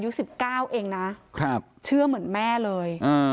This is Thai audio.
น้องของสาวอายุ๑๙นะเชื่อเหมือนแม่เลย